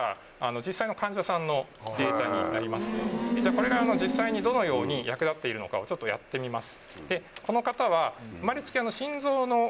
これが実際にどのように役立ってるのかをやってみます。